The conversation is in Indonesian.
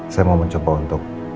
saya mau mencoba untuk